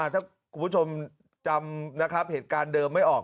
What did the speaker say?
ถ้าคุณผู้ชมจำนะครับเหตุการณ์เดิมไม่ออก